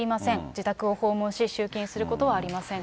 自宅を訪問し、集金することはありませんと。